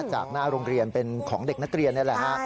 จากหน้าโรงเรียนเป็นของเด็กนักเรียนนี่แหละฮะ